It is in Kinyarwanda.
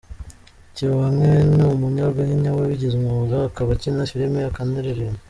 Kibonke ni Umunyarwenya wabigize umwuga, akaba akina filime akanaririmba.